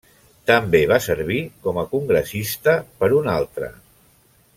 També va servir com a congressista per un altre.